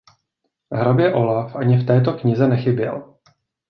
Hrabě Olaf ani v této knize nechyběl.